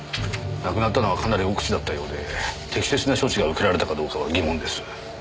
亡くなったのはかなり奥地だったようで適切な処置が受けられたかどうかは疑問です。